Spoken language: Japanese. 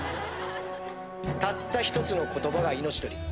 たった１つの言葉が命取り。